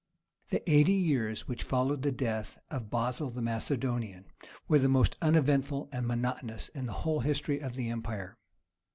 The eighty years which followed the death of Basil the Macedonian were the most uneventful and monotonous in the whole history of the empire.